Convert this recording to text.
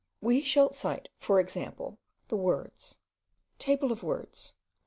We shall cite, for instance, the words: TABLE OF WORDS.